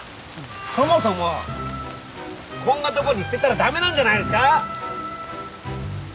そもそもこんなとこに捨てたら駄目なんじゃないですか？